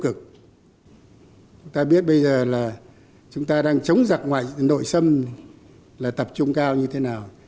chúng ta biết bây giờ là chúng ta đang chống giặc ngoại nội xâm là tập trung cao như thế nào